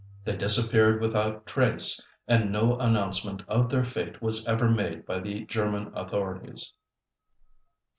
They disappeared without trace and no announcement of their fate was ever made by the German authorities.